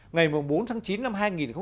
ngày bốn tháng chín năm hai nghìn bảy